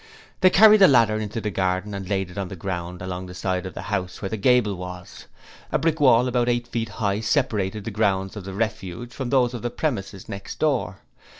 They carried the ladder into the garden and laid it on the ground along the side of the house where the gable was. A brick wall about eight feet high separated the grounds of 'The Refuge' from those of the premises next door.